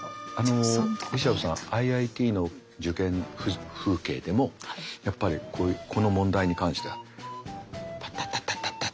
リシャブさんＩＩＴの受験風景でもやっぱりこの問題に関してはタッタッタッタッタッ